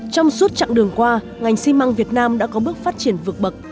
trong suốt chặng đường qua ngành xi măng việt nam đã có bước phát triển vượt bậc